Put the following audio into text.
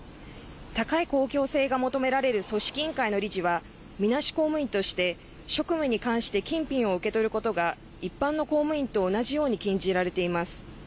高い公共性が求められる組織委員会の理事はみなし公務員として職務に関して金品を受け取ることが一般の公務員と同じように禁じられています。